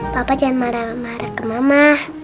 papa jangan marah marah ke mama